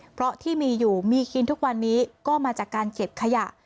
เพราะที่มีอยู่มีกินทุกวันนี้ก็มาจากการเก็บขยะ